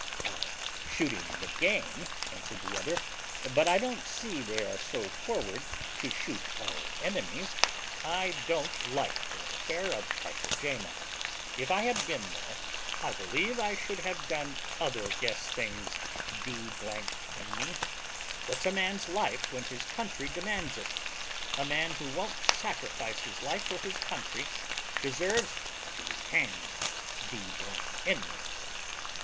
"Ay, shooting the game," answered the other; "but I don't see they are so forward to shoot our enemies. I don't like that affair of Carthagena; if I had been there, I believe I should have done other guess things, d n me: what's a man's life when his country demands it? a man who won't sacrifice his life for his country deserves to be hanged, d n me."